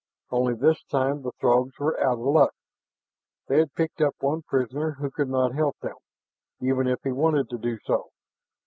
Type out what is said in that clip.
Only, this time the Throgs were out of luck. They had picked up one prisoner who could not help them, even if he wanted to do so.